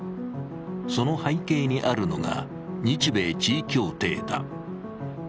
その背景にあるのが日米地位協定だ。